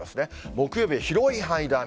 木曜日、広い範囲で雨。